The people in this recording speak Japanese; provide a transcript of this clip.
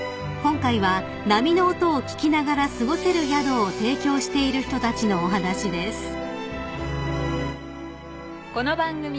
［今回は波の音を聞きながら過ごせる宿を提供している人たちのお話です］